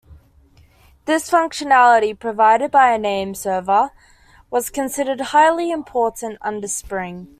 This functionality, provided by a name server, was considered highly important under Spring.